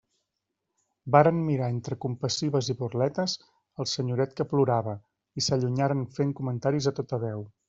Varen mirar entre compassives i burletes el senyoret que plorava, i s'allunyaren fent comentaris a tota veu.